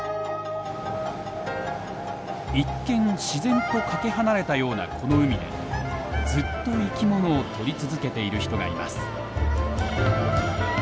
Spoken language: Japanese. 一見自然とかけ離れたようなこの海でずっと生きものを撮り続けている人がいます。